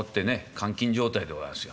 監禁状態でございますよ。